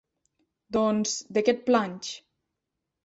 Doncs, de què et planys?